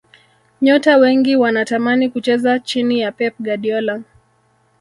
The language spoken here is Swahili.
nyota wengi wanatamani kucheza chini ya pep guardiola